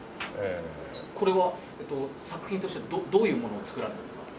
これは作品としてどういうものを作られたんですか？